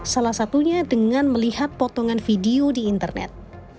salah satunya dengan melihat potongan video di internet